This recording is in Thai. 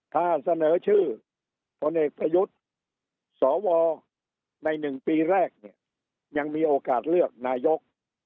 ถ้าเสนอชื่อพลเอกประยุทธ์สวใน๑ปีแรกเนี่ยยังมีโอกาสเลือกนายก